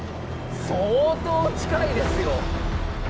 相当近いですよ。